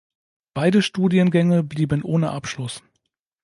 Beide Studiengänge blieben ohne Abschluss.